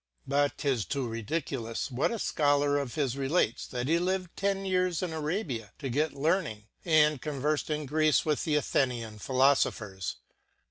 But 'tis too ridicu lous what a * Scholar of his relates, that he lived ten years in Arabia to get learning, and converted in Greece with the Athenian Philofophers.